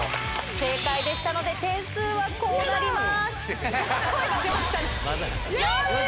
正解でしたので、点数はこうなります。